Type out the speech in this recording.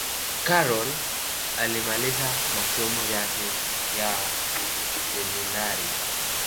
karol alimaliza masomo yake ya seminarini